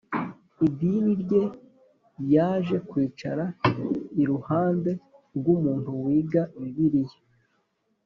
idini rye yaje kwicara iruhande rw umuntu wigaga Bibiliya